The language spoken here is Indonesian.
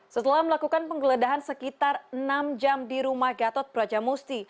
setelah melakukan penggeledahan sekitar enam jam di rumah gatot brajamusti